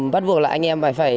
bắt buộc là anh em phải